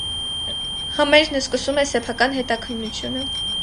Համերն սկսում է սեփական հետաքննությունը։